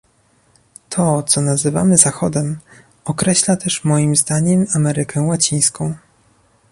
To, co nazywamy Zachodem, określa też moim zdaniem Amerykę Łacińską